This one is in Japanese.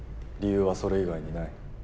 理由はそれ以外にない。